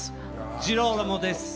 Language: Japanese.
ジローラモです。